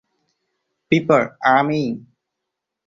পিঁপড়: 'আমিই।'